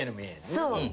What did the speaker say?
そう。